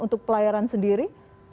untuk pelayaran sendiri